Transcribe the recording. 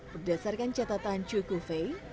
berdasarkan catatan cui kovei